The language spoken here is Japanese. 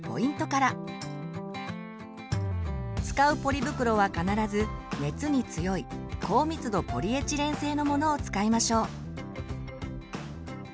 使うポリ袋は必ず熱に強い「高密度ポリエチレン製」のものを使いましょう。